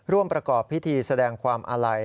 ร่วมประกอบพิธีแสดงความอาลัย